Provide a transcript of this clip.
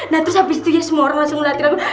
nah terus habis itu ya semua orang langsung ngeliatin aku